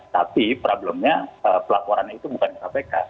tapi problemnya pelaporannya itu bukan di kpk